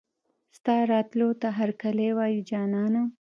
ستا راتلو ته هرکلی وايو جانانه